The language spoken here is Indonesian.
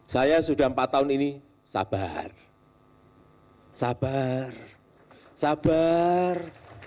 saya sudah empat tahun ini sabar sabar sabar